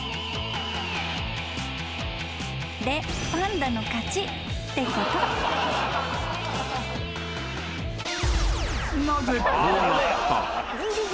［でパンダの勝ちってこと］ぎりぎり。